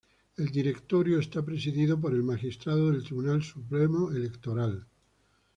El directorio será presidido por el Magistrado del Tribunal Supremo Electoral.